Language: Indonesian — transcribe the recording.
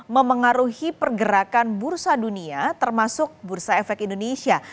memengaruhi pergerakan bursa dunia termasuk bursa efek indonesia